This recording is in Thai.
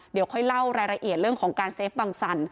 เดี๋ยวค่อยเล่ารายละเอียดเรื่องของการเฟฟบังสัน